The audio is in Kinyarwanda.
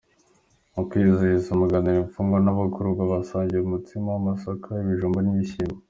Mu kwizihiza umuganira imfungwa n’abagororwa basangiye umutsina w’amasaka, ibijumba n’ibishyimbo.